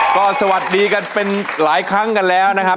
ก็สวัสดีกันเป็นหลายครั้งกันแล้วนะครับ